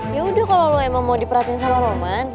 ya udah kalau emang mau diperhatiin sama roman